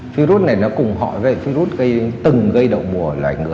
virus này nó cùng họ với virus từng gây đậu mùa